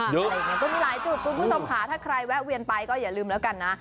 ก็มีหลายจุดคุณผู้ชมค่ะถ้าใครแวะเวียนไปก็อย่าลืมแล้วกันนะ